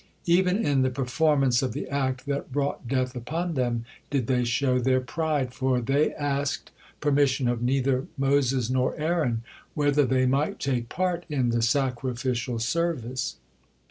Even in the performance of the act that brought death upon them, did they show their pride, for they asked permission of neither Moses nor Aaron whether they might take part in the sacrificial service.